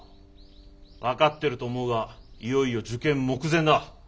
分かってると思うがいよいよ受験目前だ。